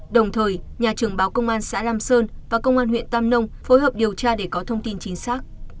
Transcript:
đồng thời nhà trường báo công an xã lam sơn và công an huyện tam nông phối hợp điều tra để có thông tin chính xác